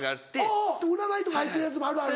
おぉ占いとか入ってるやつもあるある。